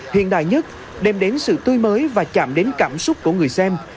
hiện đại nhất đem đến sự tươi mới và chạm đến cảm xúc của người xem